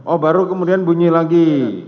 oh baru kemudian bunyi lagi